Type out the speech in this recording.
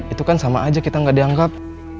itu kan sama aja kita nggak dianggap